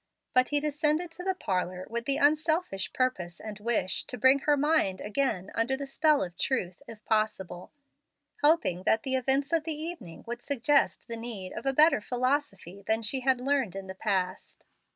But he descended to the parlor with the unselfish purpose and wish to bring her mind again under the spell of truth, if possible, hoping that the events of the evening would suggest the need of a better philosophy than she had learned in the past.